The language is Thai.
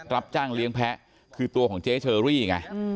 รับจ้างเลี้ยงแพ้คือตัวของเจ๊เชอรี่ไง